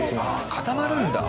固まるんだ。